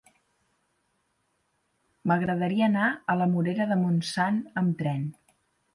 M'agradaria anar a la Morera de Montsant amb tren.